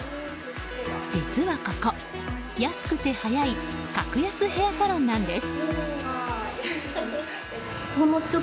実はここ、安くて早い格安ヘアサロンなんです。